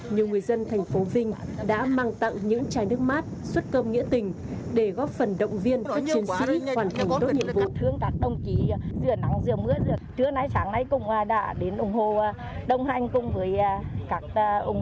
nhiều người dân thành phố vinh đã mang tặng những chai nước mát xuất cơm nghĩa tình để góp phần động viên các chiến sĩ hoàn thành tốt nhiệm vụ